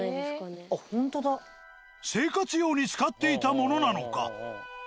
生活用に使っていたものなのかへえ。